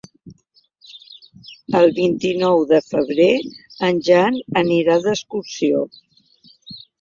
El vint-i-nou de febrer en Jan anirà d'excursió.